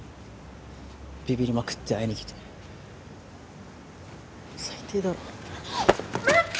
びびりまくって会いにきて最低だろ待って！